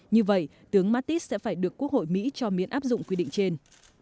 nó cũng phải được quốc hội mỹ cho miễn áp dụng quy định trên